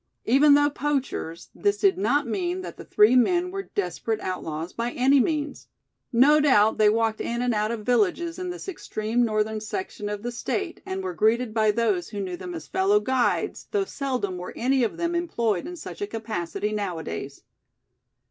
Even though poachers, this did not mean that the three men were desperate outlaws by any means. No doubt they walked in and out of the villages in this extreme northern section of the State, and were greeted by those who knew them as fellow guides, though seldom were any of them employed in such a capacity nowadays.